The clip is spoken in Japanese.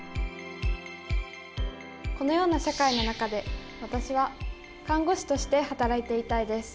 このような社会の中で私は看護師として働いていたいです。